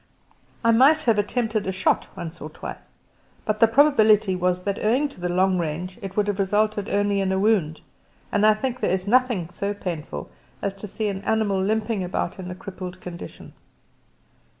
I might have attempted a shot once or twice, but the probability was that owing to the long range it would have resulted only in a wound, and I think there is nothing so painful as to see an animal limping about in a crippled condition.